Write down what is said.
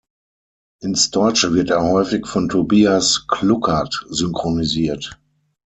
Ins Deutsche wird er häufig von Tobias Kluckert synchronisiert.